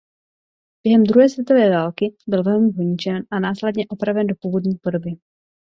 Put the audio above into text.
Během druhé světové války byl velmi poničen a následně opraven do původní podoby.